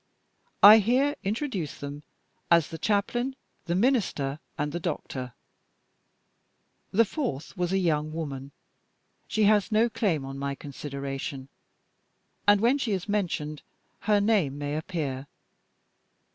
I here introduce them as The Chaplain, The Minister, and The Doctor. The fourth was a young woman. She has no claim on my consideration; and, when she is mentioned, her name may appear.